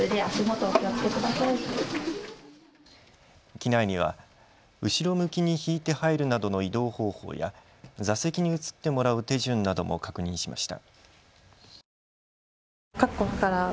機内には後ろ向きに引いて入るなどの移動方法や座席に移ってもらう手順なども確認しました。